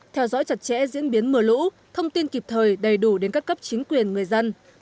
theo dõi chặt chẽ diễn biến mưa lũ thông tin kịp thời đầy đủ đến các cấp chính quyền người dân